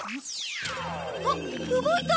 あっ動いた！